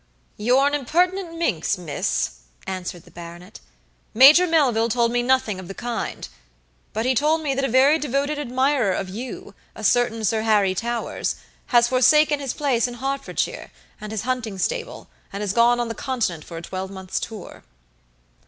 "You're an impertinent minx, miss," answered the baronet. "Major Melville told me nothing of the kind; but he told me that a very devoted admirer of you, a certain Sir Harry Towers, has forsaken his place in Hertfordshire, and his hunting stable, and has gone on the continent for a twelvemonths' tour."